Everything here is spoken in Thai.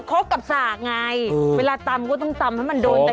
เท่ากับสระไงเวลาตำก็ต้องตำให้มันโดนแต่ที่